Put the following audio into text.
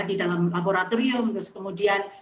di dalam laboratorium terus kemudian